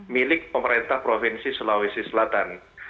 milik pemerintah provinsi sulawesi selatan